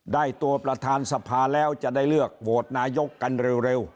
ได้ตัวประธานสภาแล้วจะได้เลือกโหวตนายกกันเร็ว